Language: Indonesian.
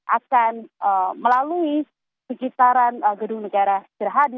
akan melalui sekitaran gedung negara gerhadi